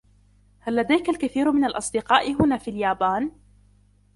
هل لديك الكثير من الأصدقاء هنا في اليابان ؟